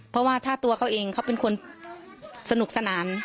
เพราะว่าถ้าตัวเขาเองเขาเป็นคนสนุกสนาน